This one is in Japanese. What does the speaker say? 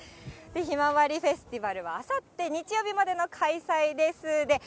ひまわりフェスティバルは、あさって日曜日までの開催です。